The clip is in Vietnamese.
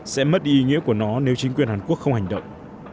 sẽ mất ý nghĩa của nó nếu chính quyền hàn quốc không hành động